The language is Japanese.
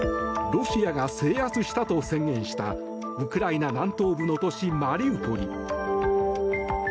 ロシアが制圧したと宣言したウクライナ南東部の都市マリウポリ。